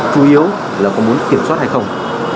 chủ yếu là có muốn kiểm soát hay không